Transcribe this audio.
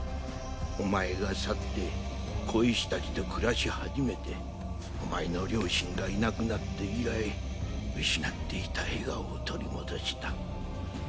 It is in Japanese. お前が去って小石たちと暮らしはじめてお前の両親がいなくなって以来失っていた笑顔を取り戻した。